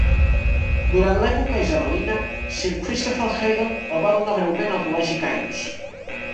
Durant l'època isabelina, Sir Christopher Heydon el va donar breument al Col·legi Caius.